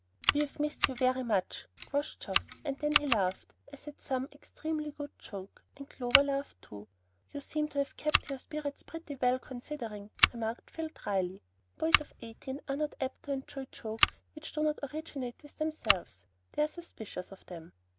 "We've missed you very much," quoth Geoff; and then he laughed as at some extremely good joke, and Clover laughed too. "You seem to have kept up your spirits pretty well, considering," remarked Phil, dryly. Boys of eighteen are not apt to enjoy jokes which do not originate with themselves; they are suspicious of them.